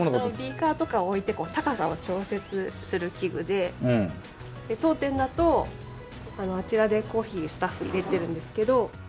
ビーカーとかを置いて高さを調節する器具で当店だとあちらでコーヒースタッフいれてるんですけど。